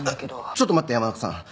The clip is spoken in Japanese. ちょっと待って山中さん。